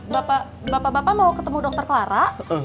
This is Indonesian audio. bapak bapak mau ketemu dokter clara